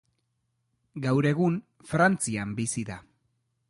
Gaur egun Frantzian bizi da.